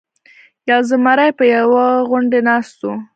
یو زمری په یوه غونډۍ ناست و.